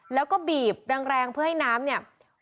แล้วก็บีบแรงเพื่อให้น้ำเนี่ย